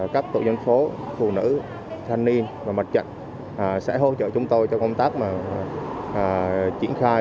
các tổ dân phố phụ nữ thanh niên và mặt trận sẽ hỗ trợ chúng tôi cho công tác triển khai